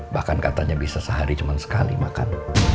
bahkan katanya bisa sehari cuma sekali makan